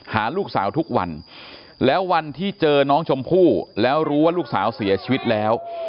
หาลูกสาวทุกวันแล้ววันที่เจอน้องชมพู่แล้วรู้ว่าลูกสาวเสียชีวิตแล้ว